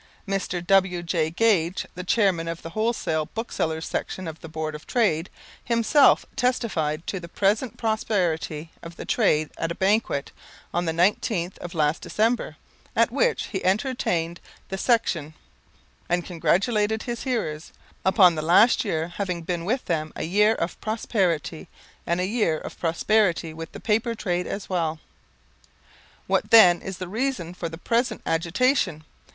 Mr. W.J. Gage, the Chairman of the Wholesale Booksellers' Section of the Board of Trade, himself testified to the present prosperity of the Trade at a Banquet on the 19th of last December, at which he entertained the Section, and congratulated his hearers "upon the last year having been with them a year of prosperity, and a year of prosperity with the Paper Trade as well." What then is the reason for the present agitation?